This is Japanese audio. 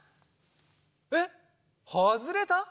えっはずれた？